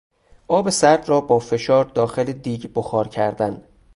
آب سرد را با فشار داخل دیگ بخار کردن